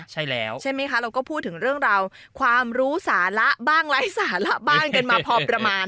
ใช่แล้วใช่ไหมคะเราก็พูดถึงเรื่องราวความรู้สาระบ้างไร้สาระบ้านกันมาพอประมาณ